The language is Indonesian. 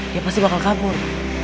dia pasti bakal kabur